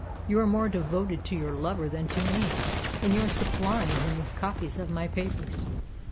You are more devoted to your lover than to me, and you are supplying him with copies of my papers."